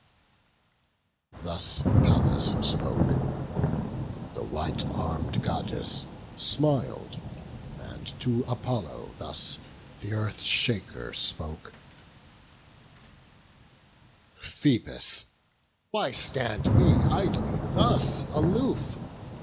Thus Pallas spoke: the white arm'd Goddess smil'd, And to Apollo thus th' Earth shaker spoke: "Phoebus, why stand we idly thus aloof?